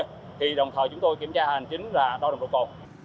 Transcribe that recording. thì đồng thời chúng tôi kiểm tra hành chính là đo đồng độc cộ